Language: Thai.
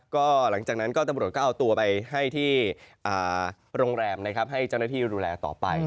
ก็หลังจากนั้นก็ตำรวจก็เอาตัวไปให้ที่โรงแรมนะครับให้เจ้าหน้าที่ดูแลต่อไป